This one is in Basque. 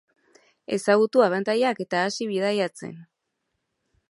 Ezagutu abantailak eta hasi bidaiatzen!